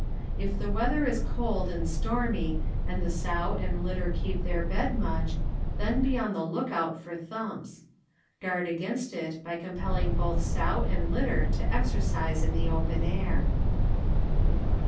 If the weather is cold and stormy and the sow and litter keep their bed much, then be on the look out for thumps. Guard against it by compelling bath sow and litter to exer cise in the open air.